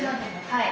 はい。